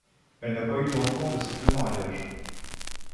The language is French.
Elle n'a pas eu d'enfants de ses deux mariages.